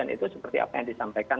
itu seperti apa yang disampaikan